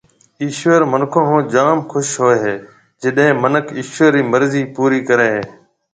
ايشوَر مِنکون هو جوم خُوش هوئي هيَ جڏي مِنک ايشوَر رِي مرضِي پورِي ڪريَ هيَ۔